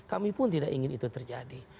kami pun tidak ingin itu terjadi